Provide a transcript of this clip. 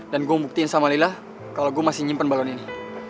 dan gua mau buktiin sama lila kalo gua masih nyimpen balon ini